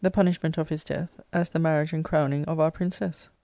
^Book K punishment of his death, as the marriage and crowning of our princess."